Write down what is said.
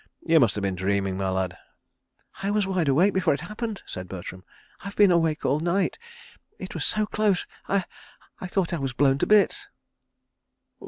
You must have been dreaming, my lad." "I was wide awake before it happened," said Bertram. "I've been awake all night. ... It was so close, I—I thought I was blown to bits.